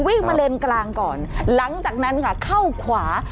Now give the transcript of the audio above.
วิ่งมาเลนกลางก่อนหลังจากนั้นค่ะเข้าขวา